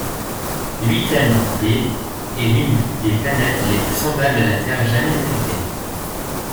Luyten b est l'une des planètes les plus semblables à la Terre jamais détectée.